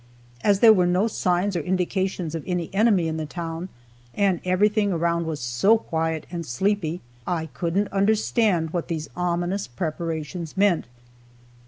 As there were no signs or indications of any enemy in the town, and everything around was so quiet and sleepy, I couldn't understand what these ominous preparations meant.